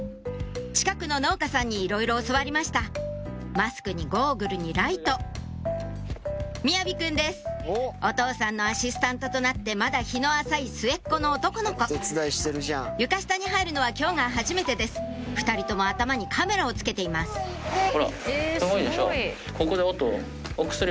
近くの農家さんにいろいろ教わりましたマスクにゴーグルにライト雅己くんですお父さんのアシスタントとなってまだ日の浅い末っ子の男の子床下に入るのは今日がはじめてです２人とも頭にカメラをつけていますほらすごいでしょ。